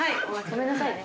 ごめんなさいね。